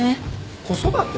子育て？